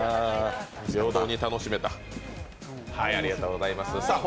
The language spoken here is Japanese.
平等に楽しめた。